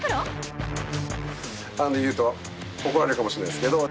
言うと怒られるかもしれないですけど。